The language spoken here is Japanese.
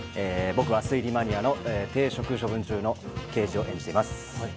僕は推理マニアの停職処分中の刑事を演じます。